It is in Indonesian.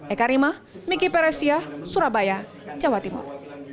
eka rima miki peresia surabaya jawa timur